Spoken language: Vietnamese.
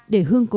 để hương tự nhiên